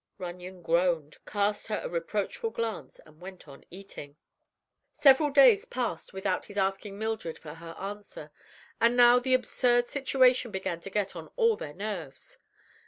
Runyon groaned, cast her a reproachful glance and went on eating. Several days passed without his asking Mildred for her answer, and now the absurd situation began to get on all their nerves.